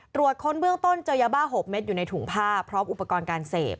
ตรวจค้นเบื้องต้นเจอยาบ้า๖เม็ดอยู่ในถุงผ้าพร้อมอุปกรณ์การเสพ